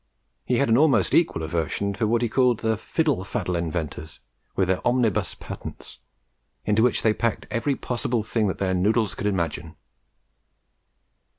He had an almost equal aversion for what he called the "fiddle faddle inventors," with their omnibus patents, into which they packed every possible thing that their noddles could imagine.